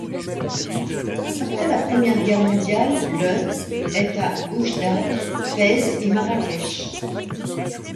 Après la Première Guerre mondiale, le est à Oujda, Fez et Marrakech.